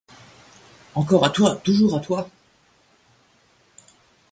Encore à toi, toujours à toi !